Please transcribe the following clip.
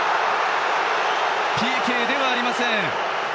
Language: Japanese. ＰＫではありません。